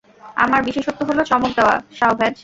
আমার বিশেষত্ব হলো চমক দেওয়া, সাওভ্যাজ।